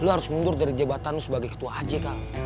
lu harus mundur dari jebatan lu sebagai ketua aj kal